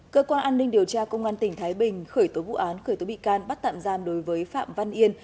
cơ quan an ninh điều tra công an tỉnh thái bình khởi tố vụ án khởi tố bị can bắt tạm giam đối với phạm văn yên